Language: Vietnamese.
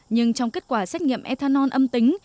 nhưng trong kết quả xét nghiệm ethanol âm tính